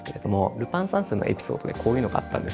「ルパン三世」のエピソードでこういうのがあったんです。